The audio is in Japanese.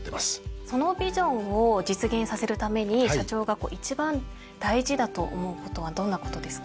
そのビジョンを実現させるために社長が一番大事だと思うことはどんなことですか？